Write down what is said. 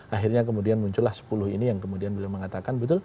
akhirnya kemudian muncullah sepuluh ini yang kemudian beliau mengatakan betul